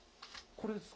これですか？